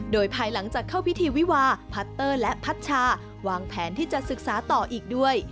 โดยภายหลังจากเข้าพิธีวิวาพัตเตอร์และพัชชาวางแผนที่จะศึกษาต่ออีกด้วย